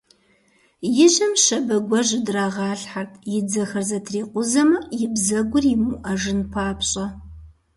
И жьэм щабэ гуэр жьэдрагъалъхьэрт, и дзэхэр зэтрикъузэмэ, и бзэгур имыуӏэжын папщӏэ.